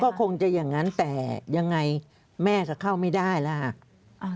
ก็คงจะอย่างนั้นแต่ยังไงแม่ก็เข้าไม่ได้แล้วค่ะ